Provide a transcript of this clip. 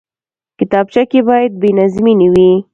کتابچه کې باید بېنظمي نه وي